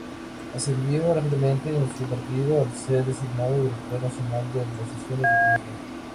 Ascendió rápidamente en su partido al ser designado Director Nacional de Organización del mismo.